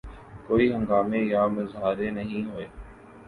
کوئی ہنگامے یا مظاہرے نہیں ہوئے۔